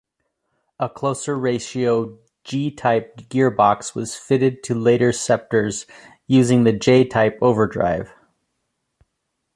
A closer ratio G-type gearbox was fitted to later Sceptres, using the J-type overdrive.